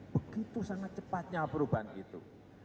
begitu sangat cepatnya perubahan itu